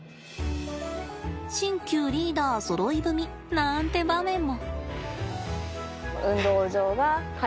新旧リーダーそろい踏みなんて場面も。